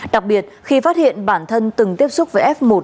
đặc biệt khi phát hiện bản thân từng tiếp xúc với f một